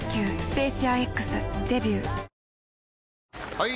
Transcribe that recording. ・はい！